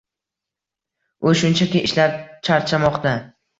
“U shunchaki ishlab charchamoqda!”